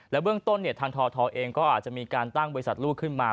เบื้องต้นทางททเองก็อาจจะมีการตั้งบริษัทลูกขึ้นมา